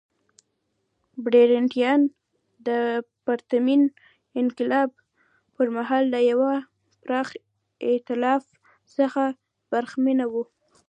برېټانیا د پرتمین انقلاب پر مهال له یوه پراخ اېتلاف څخه برخمنه وه.